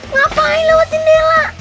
ngapain lewat jendela